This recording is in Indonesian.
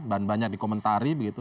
dan banyak dikomentari